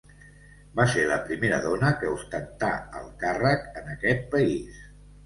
Va ser la primera dona que ostentà el càrrec en aquest país.